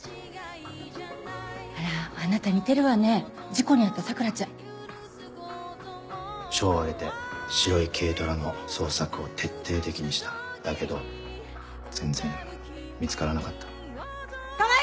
あらあなた似てるわねぇ事故に遭署を挙げて白い軽トラの捜索を徹底的だけど全然見つからなかった川合！